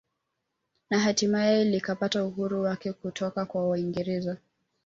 Na hatimaye likapata uhuru wake kutoka kwa waingereza